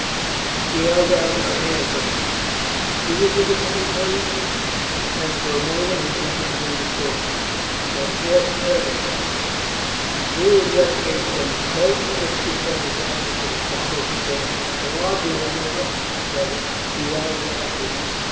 She held out her hand to him. "Will you give it me, please?" And for a moment he did not understand. "That fourth feather," she said. He drew his letter case from his coat, and shook two feathers out into the palm of his hand. The larger one, the ostrich feather, he held out to her.